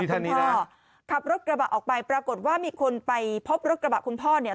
คุณพ่อขับรถกระบะออกไปปรากฏว่ามีคนไปพบรถกระบะคุณพ่อเนี่ย